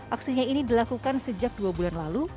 aksinya ini dilakukan sejak dua bulan lalu